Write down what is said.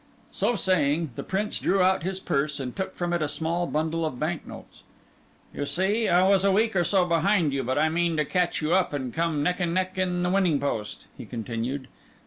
So saying, the Prince drew out his purse and took from it a small bundle of bank notes. "You see, I was a week or so behind you, but I mean to catch you up and come neck and neck into the winning post," he continued.